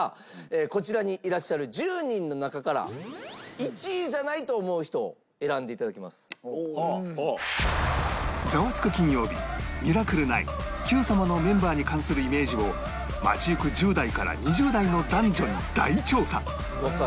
こちらにいらっしゃる１０人の中から『ザワつく！金曜日』『ミラクル９』『Ｑ さま！！』のメンバーに関するイメージを街行く１０代から２０代の男女に大調査！